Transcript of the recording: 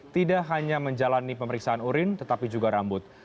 tidak hanya menjalani pemeriksaan urin tetapi juga rambut